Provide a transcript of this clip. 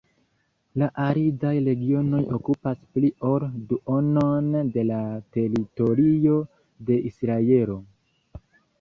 La aridaj regionoj okupas pli ol duonon de la teritorio de Israelo.